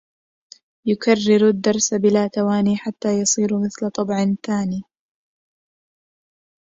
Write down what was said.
يكررالدرس بلا تواني حتى يصير مثل طبع ثانٍ